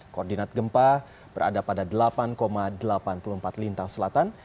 koordinat gempa berada pada delapan delapan puluh empat lintang selatan